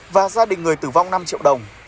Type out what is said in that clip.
và gia đình người tử vong năm triệu đồng